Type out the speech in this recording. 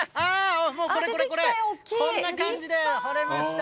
これこれこれ、こんな感じで、掘れました。